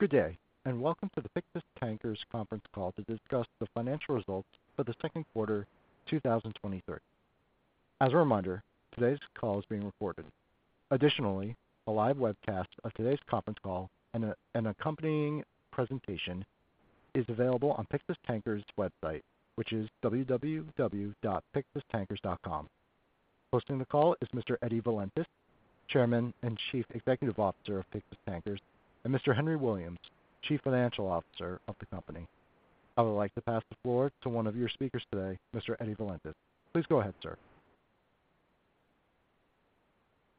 Good day, welcome to the Pyxis Tankers conference call to discuss the financial results for the second quarter 2023. As a reminder, today's call is being recorded. Additionally, a live webcast of today's conference call and an accompanying presentation is available on Pyxis Tankers website, which is www.pyxistankers.com. Hosting the call is Mr. Valentios Valentis, Chairman and Chief Executive Officer of Pyxis Tankers, and Mr. Henry Williams, Chief Financial Officer of the company. I would like to pass the floor to one of your speakers today, Mr. Valentios Valentis. Please go ahead, sir.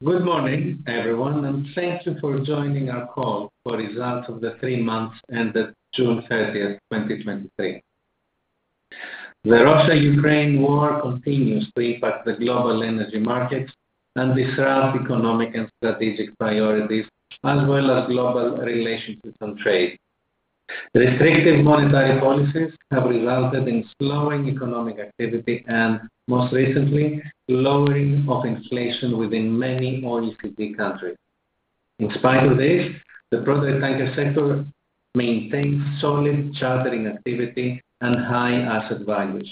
Good morning, everyone, and thank you for joining our call for results of the 3 months ended June 30, 2023. The Russia-Ukraine war continues to impact the global energy markets and disrupt economic and strategic priorities, as well as global relationships and trade. Restrictive monetary policies have resulted in slowing economic activity and most recently, lowering of inflation within many OECD countries. In spite of this, the product tanker sector maintains solid chartering activity and high asset values.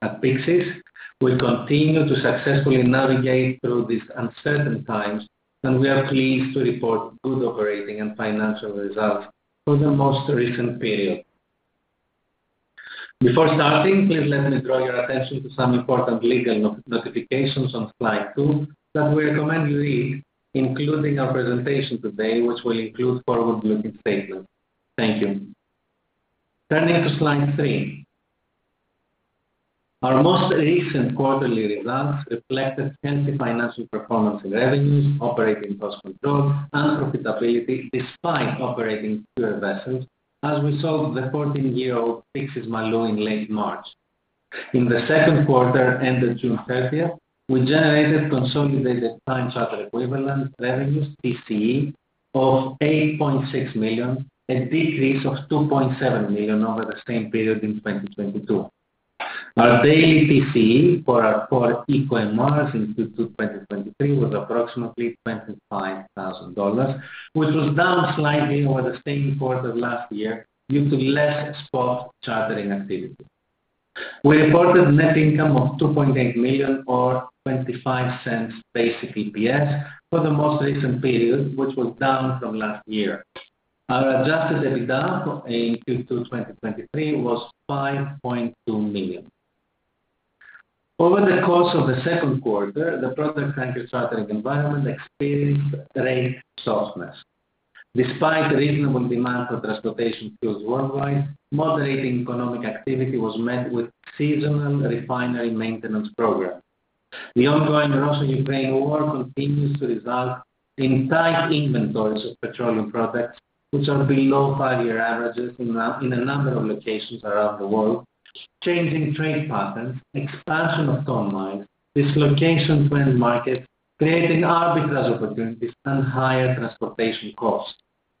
At Pyxis, we continue to successfully navigate through these uncertain times, and we are pleased to report good operating and financial results for the most recent period. Before starting, please let me draw your attention to some important legal notifications on slide 2 that we recommend you read, including our presentation today, which will include forward-looking statements. Thank you. Turning to slide 3. Our most recent quarterly results reflected healthy financial performance in revenues, operating cost control, and profitability despite operating fewer vessels as we sold the 14-year-old Pyxis Malou in late March. In the second quarter, ended June thirtieth, we generated consolidated time charter equivalent revenues, TCE, of $8.6 million, a decrease of $2.7 million over the same period in 2022. Our daily TCE for our four eco MRs in Q2 2023 was approximately $25,000, which was down slightly over the same quarter last year due to less spot chartering activity. We reported net income of $2.8 million or $0.25 basic EPS for the most recent period, which was down from last year. Our adjusted EBITDA in Q2 2023 was $5.2 million. Over the course of the second quarter, the product tanker chartering environment experienced rate softness. Despite reasonable demand for transportation fuels worldwide, moderating economic activity was met with seasonal refinery maintenance programs. The ongoing Russia-Ukraine war continues to result in tight inventories of petroleum products, which are below 5-year averages in a number of locations around the world, changing trade patterns, expansion of ton-miles, dislocation to end markets, creating arbitrage opportunities and higher transportation costs.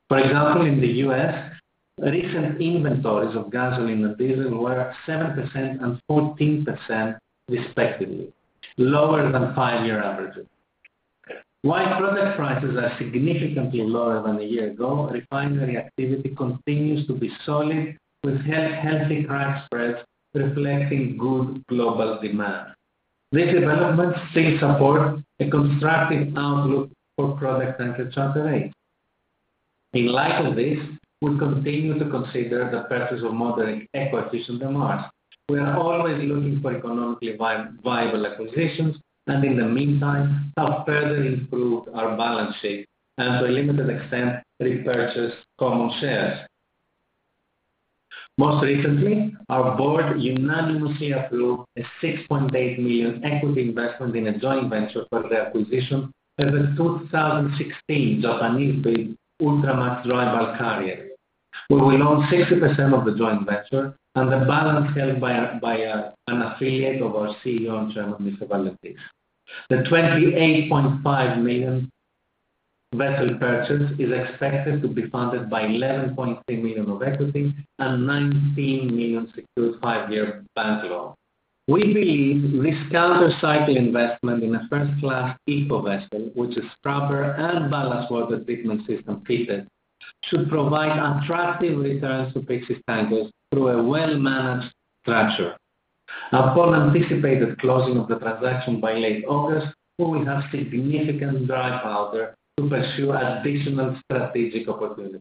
For example, in the U.S., recent inventories of gasoline and diesel were 7% and 14% respectively, lower than 5-year averages. While product prices are significantly lower than a year ago, refinery activity continues to be solid, with healthy crack spreads reflecting good global demand. These developments still support a constructive outlook for product tanker charter rates. In light of this, we continue to consider the purchase of modern, eco-efficient MRs. We are always looking for economically viable acquisitions and in the meantime, have further improved our balance sheet and to a limited extent, repurchased common shares. Most recently, our board unanimously approved a $6.8 million equity investment in a joint venture for the acquisition of a 2016 Japanese-built Ultramax dry bulk carrier, where we own 60% of the joint venture and the balance held by an affiliate of our CEO and Chairman, Mr. Valentis. The $28.5 million vessel purchase is expected to be funded by $11.3 million of equity and $19 million secured 5-year bank loan. We believe this countercycle investment in a first-class eco vessel, which is scrubber and ballast water treatment system fitted, should provide attractive returns to Pyxis Tankers through a well-managed structure. Upon anticipated closing of the transaction by late August, we will have significant dry powder to pursue additional strategic opportunities.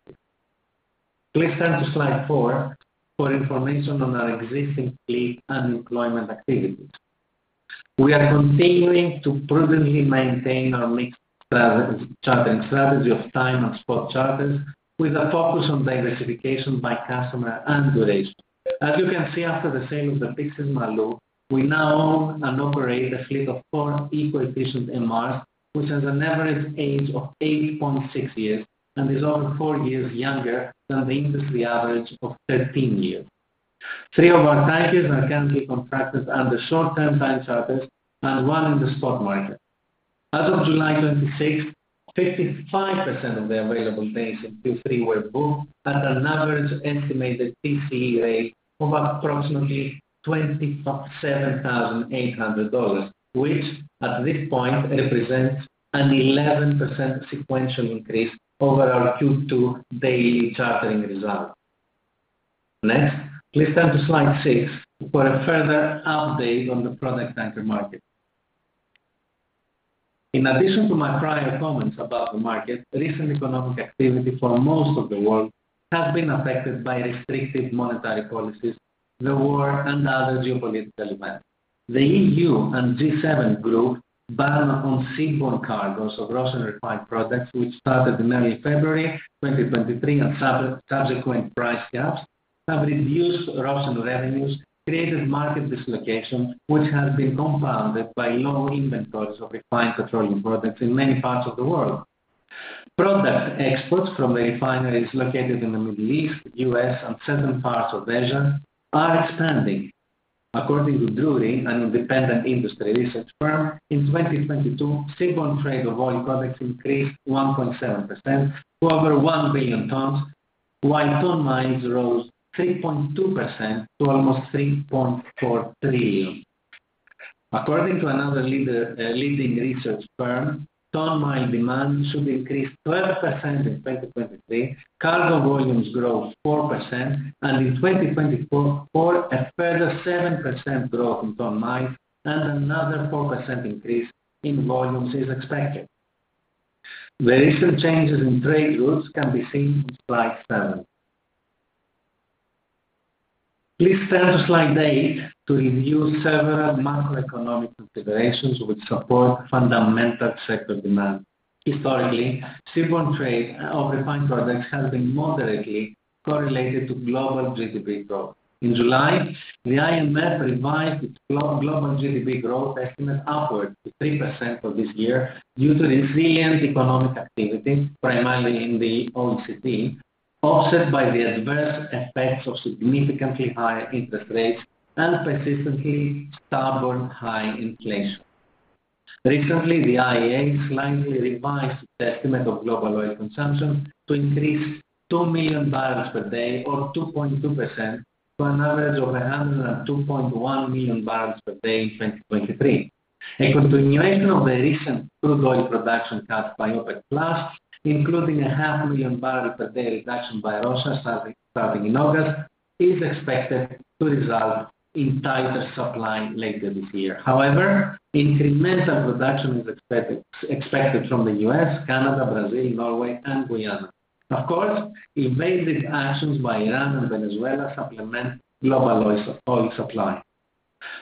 Please turn to slide 4 for information on our existing fleet and employment activities. We are continuing to prudently maintain our mixed chartering strategy of time and spot charters, with a focus on diversification by customer and duration. As you can see, after the sale of the Pyxis Malou, we now own and operate a fleet of 4 eco-efficient MRs, which has an average age of 8.6 years and is over 4 years younger than the industry average of 13 years. 3 of our tankers are currently contracted under short-term time charters and 1 in the spot market. As of July 26, 55% of the available days in Q3 were booked at an average estimated TCE rate of approximately $27,800, which at this point represents an 11% sequential increase over our Q2 daily chartering results. Next, please turn to slide 6 for a further update on the product tanker market. In addition to my prior comments about the market, recent economic activity for most of the world has been affected by restrictive monetary policies, the war, and other geopolitical events. The EU and G7 group ban on seaborne cargoes of Russian refined products, which started in early February 2023, and subsequent price caps have reduced Russian revenues, created market dislocation, which has been compounded by low inventories of refined petroleum products in many parts of the world. Product exports from the refineries located in the Middle East, US, and certain parts of Asia are expanding. According to Drewry, an independent industry research firm, in 2022, seaborne trade of oil products increased 1.7% to over 1 billion tons, while ton-miles rose 3.2% to almost 3.4 trillion. According to another leader, leading research firm, ton-mile demand should increase 12% in 2023, cargo volumes grow 4%, and in 2024, for a further 7% growth in ton-mile and another 4% increase in volumes is expected. The recent changes in trade routes can be seen on slide 7. Please turn to slide 8 to review several macroeconomic considerations which support fundamental sector demand. Historically, seaborne trade of refined products has been moderately correlated to global GDP growth. In July, the IMF revised its global GDP growth estimate upward to 3% for this year due to resilient economic activities, primarily in the OECD, offset by the adverse effects of significantly higher interest rates and persistently stubborn high inflation. Recently, the IEA slightly revised the estimate of global oil consumption to increase 2 million barrels per day, or 2.2%, to an average of 102.1 million barrels per day in 2023. A continuation of the recent crude oil production cut by OPEC+, including a 500,000 barrels per day reduction by Russia starting in August, is expected to result in tighter supply later this year. However, incremental production is expected from the US, Canada, Brazil, Norway, and Guyana. Of course, invasive actions by Iran and Venezuela supplement global oil supply.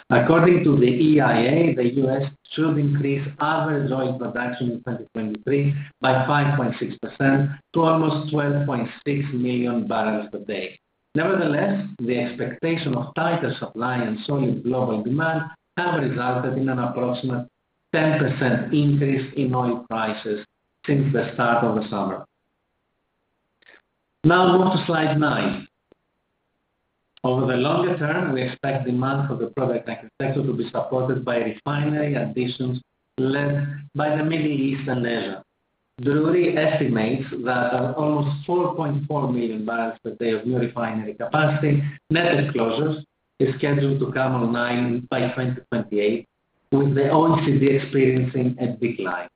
According to the EIA, the U.S. should increase average oil production in 2023 by 5.6% to almost 12.6 million barrels per day. Nevertheless, the expectation of tighter supply and solid global demand have resulted in an approximate 10% increase in oil prices since the start of the summer. Now move to slide 9. Over the longer term, we expect demand for the product tanker sector to be supported by refinery additions led by the Middle East and Asia. Drewry estimates that almost 4.4 million barrels per day of new refinery capacity, net disclosures, is scheduled to come online by 2028, with the OECD experiencing a decline.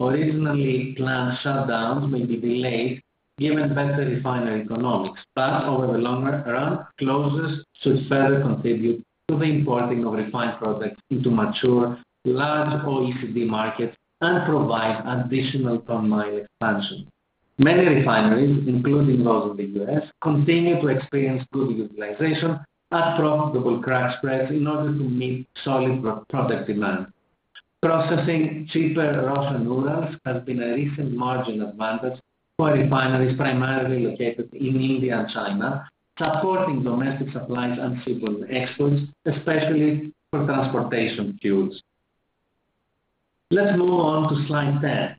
Originally planned shutdowns may be delayed given better refinery economics, but over the longer run, closures should further contribute to the importing of refined products into mature, large OECD markets and provide additional ton-mile expansion. Many refineries, including those in the US, continue to experience good utilization at profitable crack spreads in order to meet solid pro-product demand. Processing cheaper Russian Urals has been a recent margin advantage for refineries primarily located in India and China, supporting domestic supplies and seaborne exports, especially for transportation fuels. Let's move on to slide 10.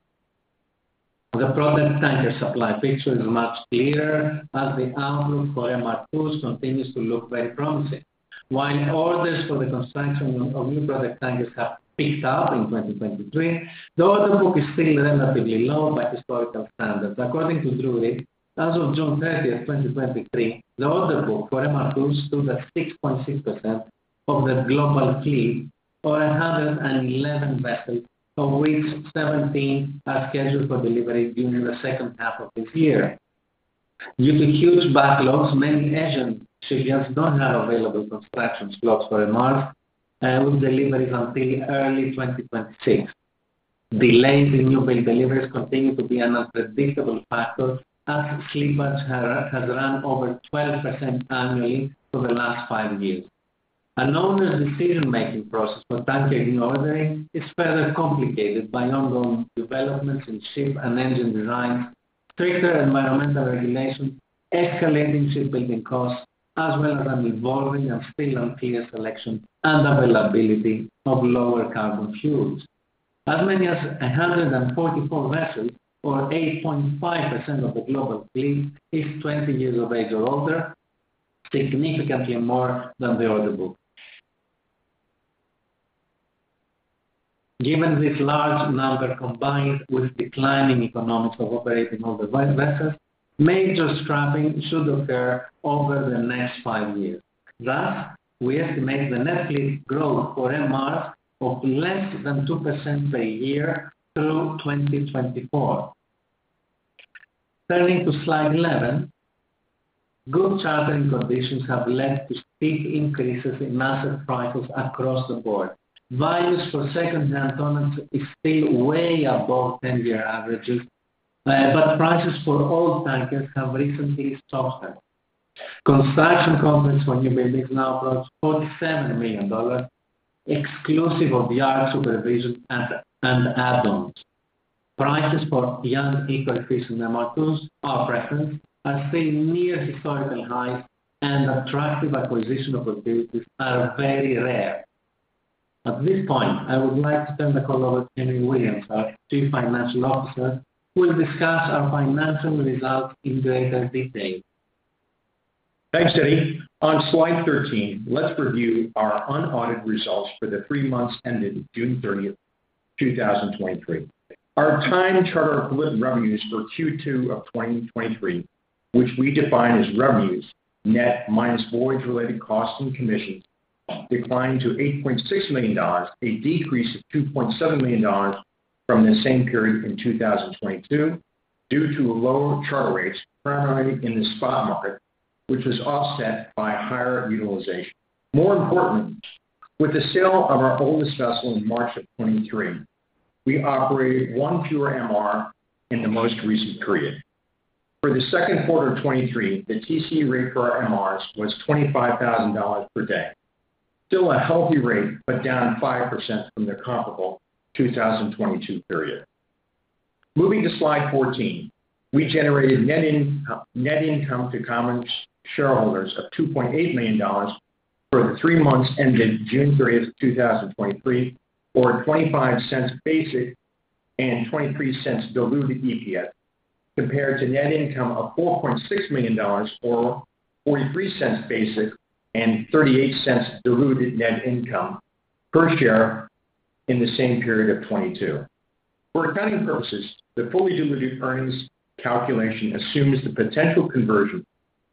The product tanker supply picture is much clearer as the outlook for MR2s continues to look very promising. While orders for the construction of new product tankers have picked up in 2023, the order book is still relatively low by historical standards. According to Drewry, as of June 30, 2023, the order book for MR2s stood at 6.6% of the global fleet, or 111 vessels, of which 17 are scheduled for delivery during the second half of this year. Due to huge backlogs, many Asian shipyards don't have available construction slots for MR, with deliveries until early 2026. Delays in newbuild deliveries continue to be an unpredictable factor as slippage has, has run over 12% annually for the last 5 years. An owner's decision-making process for tanker ordering is further complicated by ongoing developments in ship and engine design, stricter environmental regulation, escalating shipbuilding costs, as well as an evolving and still unclear selection and availability of lower carbon fuels. As many as 144 vessels, or 8.5% of the global fleet, is 20 years of age or older, significantly more than the order book. Given this large number, combined with declining economics of operating older vessels, major scrapping should occur over the next 5 years. Thus, we estimate the net fleet growth for MR of less than 2% per year through 2024. Turning to Slide 11, good chartering conditions have led to steep increases in asset prices across the board. Values for second-hand tonnage is still way above 10-year averages, but prices for old tankers have recently softened. Construction costs for newbuildings now approach $47 million, exclusive of the yards supervision and, and add-ons. Prices for young eco-efficient MR2s are still near historical highs, and attractive acquisition opportunities are very rare. At this point, I would like to turn the call over to Henry Williams, our Chief Financial Officer, who will discuss our financial results in greater detail. Thanks, Eddie. On Slide 13, let's review our unaudited results for the three months ended June 30, 2023. Our time charter equivalent revenues for Q2 2023, which we define as revenues net minus voyage-related costs and commissions, declined to $8.6 million, a decrease of $2.7 million from the same period in 2022 due to low charter rates, primarily in the spot market, which was offset by higher utilization. More importantly, with the sale of our oldest vessel in March 2023, we operated 1 fewer MR in the most recent period. For the second quarter of 2023, the TC rate for our MRs was $25,000 per day. Still a healthy rate, but down 5% from the comparable 2022 period. Moving to Slide 14, we generated net income to common shareholders of $2.8 million for the 3 months ended June 30th, 2023, or $0.25 basic and $0.23 diluted EPS, compared to net income of $4.6 million, or $0.43 basic and $0.38 diluted net income per share in the same period of 2022. For accounting purposes, the fully diluted earnings calculation assumes the potential conversion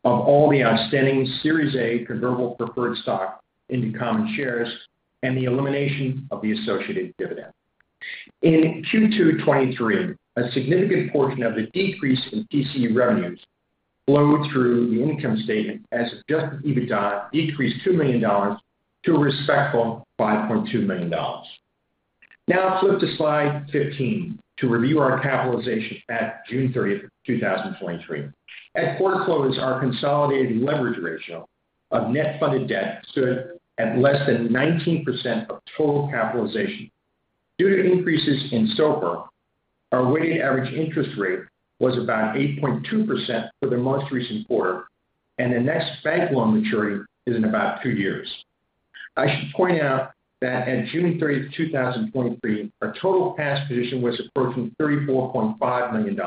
of all the outstanding Series A convertible preferred stock into common shares and the elimination of the associated dividend. In Q2 2023, a significant portion of the decrease in TCE revenues flowed through the income statement as adjusted EBITDA decreased $2 million to a respectful $5.2 million. Let's flip to Slide 15 to review our capitalization at June 30th, 2023. At quarter close, our consolidated leverage ratio of net funded debt stood at less than 19% of total capitalization. Due to increases in SOFR, our weighted average interest rate was about 8.2% for the most recent quarter, and the next bank loan maturity is in about two years. I should point out that at June 30, 2023, our total cash position was approaching $34.5 million.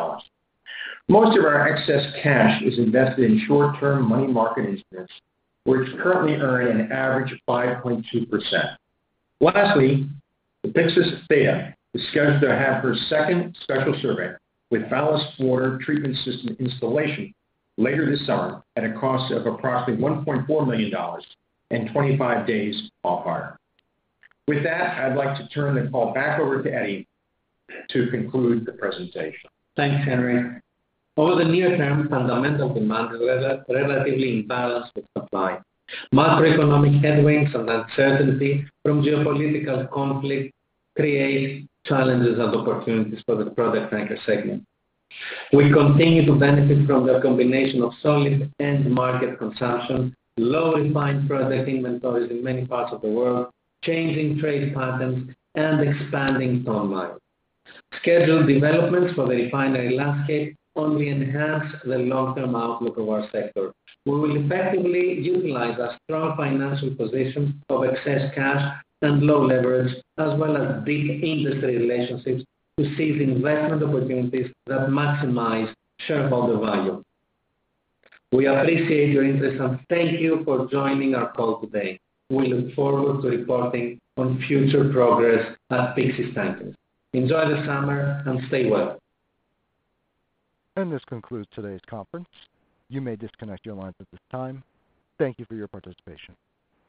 Most of our excess cash is invested in short-term money market instruments, which currently earn an average of 5.2%. Lastly, the Pyxis Thea is scheduled to have her second special survey with ballast water treatment system installation later this summer at a cost of approximately $1.4 million and 25 days off-hire. With that, I'd like to turn the call back over to Eddie to conclude the presentation. Thanks, Henry. Over the near term, fundamental demand is relatively in balance with supply. Macroeconomic headwinds and uncertainty from geopolitical conflict create challenges and opportunities for the product tanker segment. We continue to benefit from the combination of solid end market consumption, low refined product inventories in many parts of the world, changing trade patterns, and expanding ton mileage. Scheduled developments for the refinery landscape only enhance the long-term outlook of our sector. We will effectively utilize our strong financial position of excess cash and low leverage, as well as deep industry relationships, to seize investment opportunities that maximize shareholder value. We appreciate your interest, and thank you for joining our call today. We look forward to reporting on future progress at Pyxis Tankers. Enjoy the summer and stay well. This concludes today's conference. You may disconnect your lines at this time. Thank you for your participation.